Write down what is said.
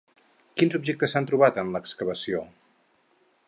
Quins objectes s'han trobat en l'excavació?